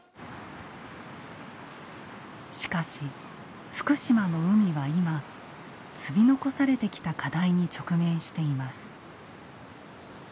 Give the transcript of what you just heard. しかし福島の海は今積み残されてきた課題に直面しています。